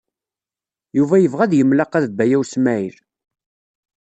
Yuba yebɣa ad imlaqa d Baya U Smaɛil.